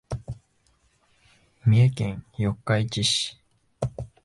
三重県四日市市